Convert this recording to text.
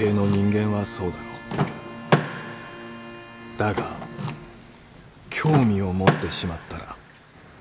だが興味を持ってしまったら。